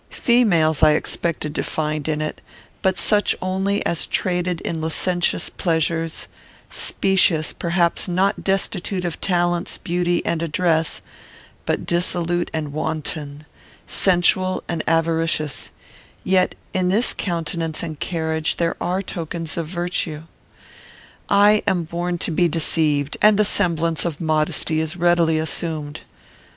Females I expected to find in it, but such only as traded in licentious pleasures; specious, perhaps not destitute of talents, beauty, and address, but dissolute and wanton, sensual and avaricious; yet in this countenance and carriage there are tokens of virtue. I am born to be deceived, and the semblance of modesty is readily assumed.